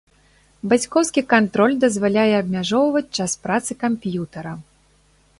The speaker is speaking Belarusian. Бацькоўскі кантроль дазваляе абмяжоўваць час працы камп'ютара.